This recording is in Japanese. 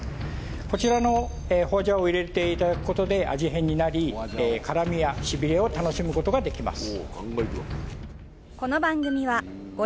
こちらの花椒を入れていただくことで味変になり辛みやしびれを楽しむことができます